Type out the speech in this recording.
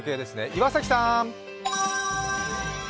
岩崎さん。